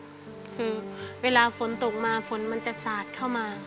คือเวลาฝนตกมาฝนมันจะสาดเข้ามา